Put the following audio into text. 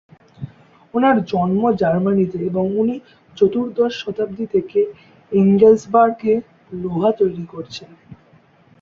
ওনার জন্ম জার্মানিতে এবং উনি চতুর্দশ শতাব্দী থেকে এঙ্গেলসবার্গ-এ লোহা তৈরী করছেন।